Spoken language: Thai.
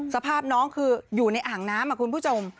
สภาพน้องคืออยู่ในอ่างน้ำคุณผู้ชม